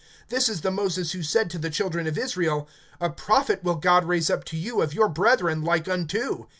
(37)This is the Moses who said to the children of Israel: A Prophet will God raise up to you of your brethren, like unto.